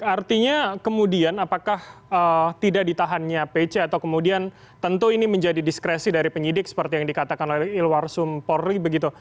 artinya kemudian apakah tidak ditahannya pc atau kemudian tentu ini menjadi diskresi dari penyidik seperti yang dikatakan oleh ilwar sumpori begitu